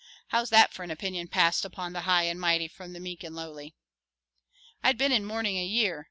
How's that for an opinion passed upon the high and mighty from the meek and lowly?" "I'd been in mourning a year.